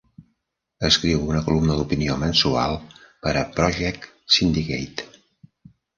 Escriu una columna d'opinió mensual per a Project Syndicate.